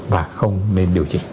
hàng không nên điều chỉnh